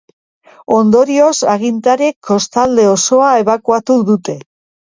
Ondorioz, agintariek kostalde osoa ebakuatu dute.